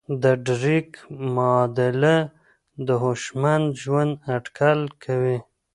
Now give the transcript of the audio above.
د ډریک معادله د هوشمند ژوند اټکل کوي.